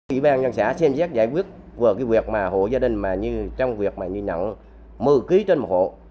ủy ban nhân xã xem xét giải quyết về cái việc mà hộ gia đình mà như trong việc mà như nặng một mươi kg trên một hộ